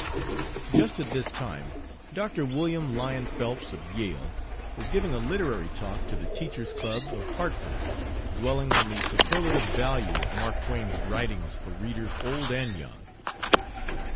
Just at this time, Dr. William Lyon Phelps, of Yale, was giving a literary talk to the Teachers' Club, of Hartford, dwelling on the superlative value of Mark Twain's writings for readers old and young.